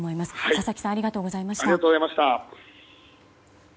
佐々木さんありがとうございました。